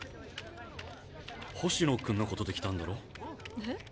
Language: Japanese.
星野君のことで来たんだろ？え？